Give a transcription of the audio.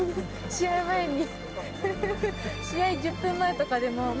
試合前に。